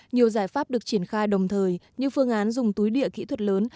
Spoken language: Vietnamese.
nhiều giải pháp được triển khai đồng thời như phương án dùng túi địa kỹ thuật lớn